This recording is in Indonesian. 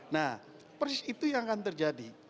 nah persis itu yang akan terjadi